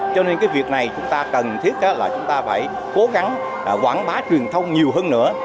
cho nên cái việc này chúng ta cần thiết là chúng ta phải cố gắng quảng bá truyền thông nhiều hơn nữa